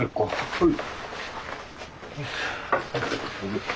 はい。